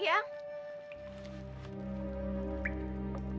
dia memang modifying